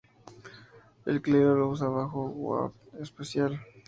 El clero lo usa bajo un waqf especial.